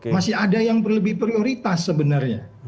masih ada yang berlebih prioritas sebenarnya